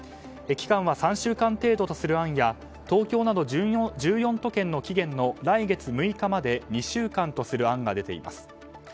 期間は３週間程度とする案や東京など１４都県の期限の来月６日まで２週間とする案が出ています。